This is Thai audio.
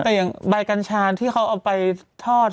แต่อย่างใบกัญชาที่เขาเอาไปทอด